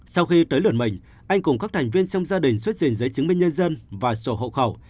sau khi tới lượt mình anh cùng các thành viên trong gia đình xuất trình giấy chứng minh nhân dân và sổ hộ khẩu